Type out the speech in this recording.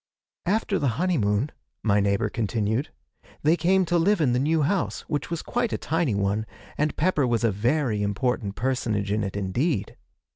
'After the honeymoon,' my neighbour continued, 'they came to live in the new house, which was quite a tiny one, and Pepper was a very important personage in it indeed.